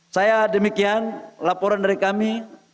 saya demikian laporan dari kami